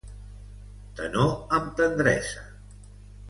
Tenor amb tendresa.